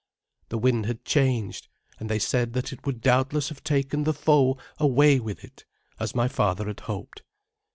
The wind had changed, and they said that it would doubtless have taken the foe away with it, as my father had hoped.